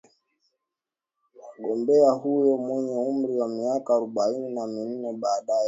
Mgombea huyo mwenye umri wa miaka arobaini na minne, baadae alijitokeza kutawanya umati uliokuwa ukimsubiri